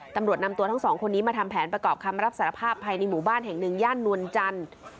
ตำรวจนำตัวทั้งสองคนนี้มาทำแผนประกอบคำรับสารภาพภายในหมู่บ้านแห่งหนึ่งย่านนวลจันทร์